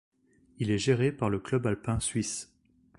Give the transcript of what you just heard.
Il est géré par le Club alpin suisse.